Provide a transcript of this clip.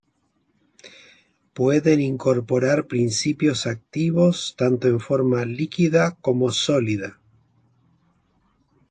Pueden incorporar principios activos tanto en forma líquida como sólida.